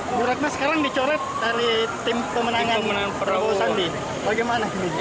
bu ratna sekarang dicoret dari tim pemenangan pemenangan prabowo sandi bagaimana